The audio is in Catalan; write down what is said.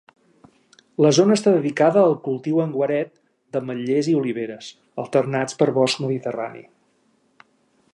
La zona està dedicada al cultiu en guaret d'ametllers i oliveres, alternats per bosc mediterrani.